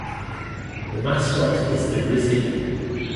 The mascot is the Grizzly.